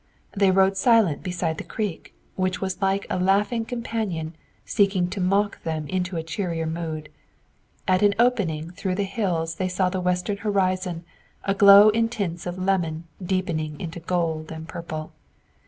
They rode silent beside the creek, which was like a laughing companion seeking to mock them into a cheerier mood. At an opening through the hills they saw the western horizon aglow in tints of lemon deepening into gold and purple.